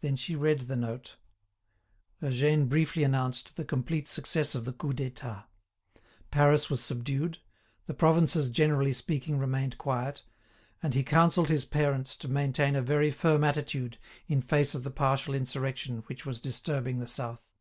Then she read the note. Eugène briefly announced the complete success of the Coup d'État. Paris was subdued, the provinces generally speaking remained quiet, and he counselled his parents to maintain a very firm attitude in face of the partial insurrection which was disturbing the South.